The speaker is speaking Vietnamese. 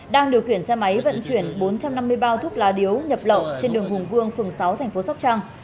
đang điều khiển xe máy vận chuyển bốn trăm năm mươi bao thuốc lá điếu nhập lậu trên đường hùng vương phường sáu thành phố sóc trăng